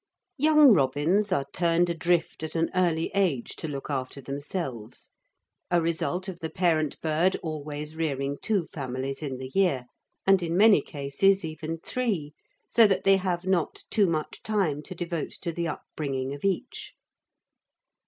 Young robins are turned adrift at an early age to look after themselves, a result of the parent bird always rearing two families in the year, and in many cases even three, so that they have not too much time to devote to the upbringing of each.